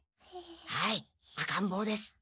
はい赤んぼうです。